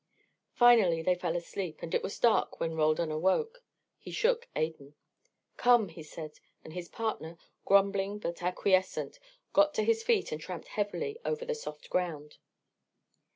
Finally they fell asleep, and it was dark when Roldan awoke. He shook Adan. "Come," he said; and his partner, grumbling but acquiescent, got to his feet and tramped heavily over the soft ground.